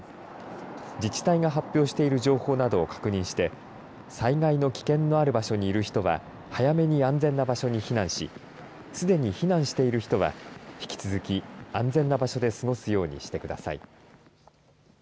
自治体が発表している情報などを確認して災害の危険のある場所にいる人は早めに安全な場所に避難しすでに避難している人は引き続き安全な場所で過ごすようにしてください。